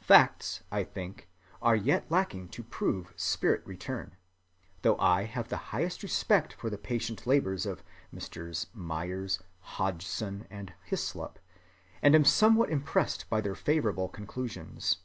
Facts, I think, are yet lacking to prove "spirit‐return," though I have the highest respect for the patient labors of Messrs. Myers, Hodgson, and Hyslop, and am somewhat impressed by their favorable conclusions.